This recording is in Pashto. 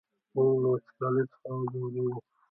موږ له وچکالۍ څخه ځوريږو!